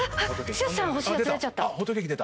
剛さん欲しいやつ出ちゃった。